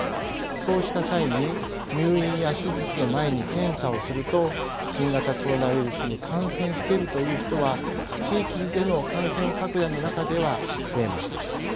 そうした際に入院や手術の前に検査をすると新型コロナウイルスに感染しているという人は地域での感染拡大の中では増えます。